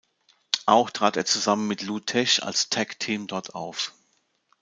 Auch trat er zusammen mit Lou Thesz als Tag Team dort auf.